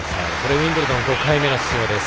ウィンブルドン５回目の出場です。